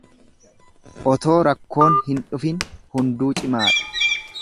Otoo rakkoon hin dhufin hunduu cimaadha.